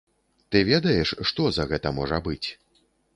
Ты ведаеш, што за гэта можа быць?